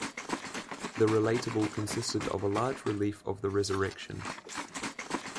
The retable consisted of a large relief of the Resurrection.